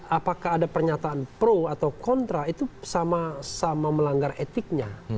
apakah ada pernyataan pro atau kontra itu sama sama melanggar etiknya